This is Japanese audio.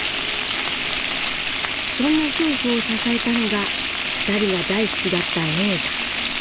そんな夫婦を支えたのが２人が大好きだった映画。